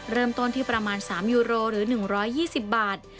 เริ่มต้นที่ประมาณ๓ยูโรหรือ๑๒๐บาท